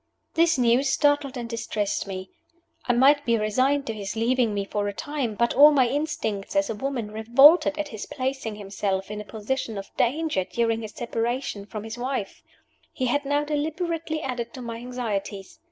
This news startled and distressed me. I might be resigned to his leaving me for a time; but all my instincts as a woman revolted at his placing himself in a position of danger during his separation from his wife. He had now deliberately added to my anxieties.